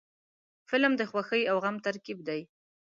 فلم د خوښۍ او غم ترکیب دی